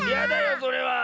それは。